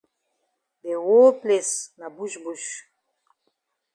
De whole place na bush bush.